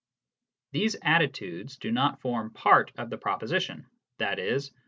These attitudes do not form part of the proposition, i.e.